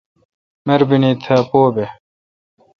مربینی تھا پو بھ۔